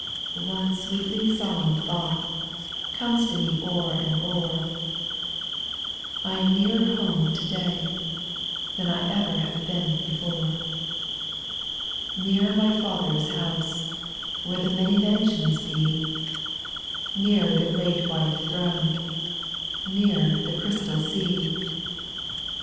/\NE sweetly solemn thought yj Comes to me o'er and o'er^ — 11* 126 SPIRITUAL SONGS. I am nearer home to day, Than I ever have been before. 2. Nearer my Father's house, Where the many mansions be ; Nearer the great white throne ; Nearer the crystal sea.